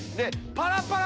パラパラ⁉